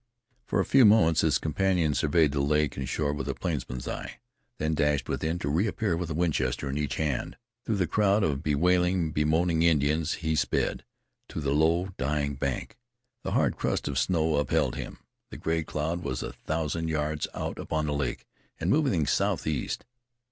For a few moments his companion surveyed the lake and shore with a plainsman's eye, then dashed within, to reappear with a Winchester in each hand. Through the crowd of bewailing, bemoaning Indians; he sped, to the low, dying bank. The hard crust of snow upheld him. The gray cloud was a thousand yards out upon the lake and moving southeast.